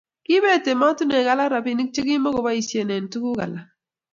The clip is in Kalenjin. kiibet emotinwek alak robinik che kimukeboisie eng' tuguk alak